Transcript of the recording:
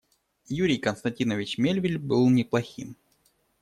Юрий Константинович Мельвиль был неплохим.